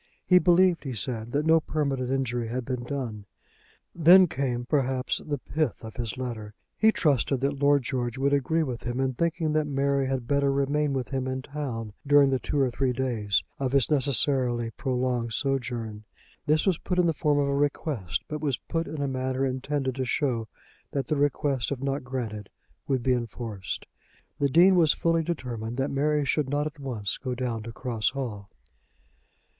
He believed, he said, that no permanent injury had been done. Then came, perhaps, the pith of his letter. He trusted that Lord George would agree with him in thinking that Mary had better remain with him in town during the two or three days of his necessarily prolonged sojourn. This was put in the form of a request; but was put in a manner intended to show that the request if not granted would be enforced. The Dean was fully determined that Mary should not at once go down to Cross Hall.